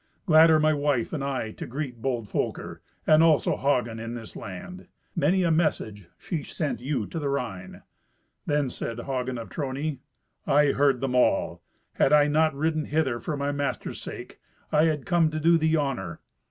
Glad are my wife and I to greet bold Folker, and also Hagen, in this land. Many a message she sent you to the Rhine." Then said Hagen of Trony, "I heard them all. Had I not ridden hither for my masters' sake, I had come to do thee honour."